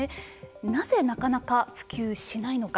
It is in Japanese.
なぜなかなか、普及しないのか。